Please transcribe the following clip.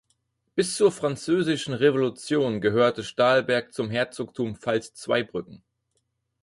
Bis zur Französischen Revolution gehörte Stahlberg zum Herzogtum Pfalz-Zweibrücken.